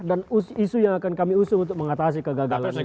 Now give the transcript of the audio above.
dan isu yang akan kami usung untuk mengatasi kegagalan ini